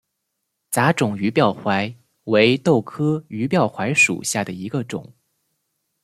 杂种鱼鳔槐为豆科鱼鳔槐属下的一个种。